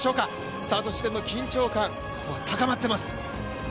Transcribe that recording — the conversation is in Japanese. スタート地点の緊張感、高まっています。